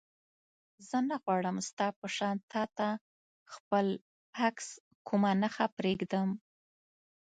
زه نه غواړم ستا په شان تا ته خپل عکس کومه نښه پرېږدم.